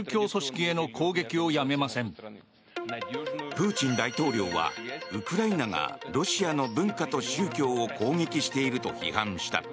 プーチン大統領はウクライナがロシアの文化と宗教を攻撃していると批判した。